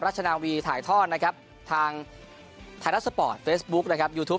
ราชนาวีถ่ายทอดนะครับทางไทยรัฐสปอร์ตเฟซบุ๊คนะครับยูทูป